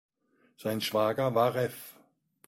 Sein Schwager war Rev.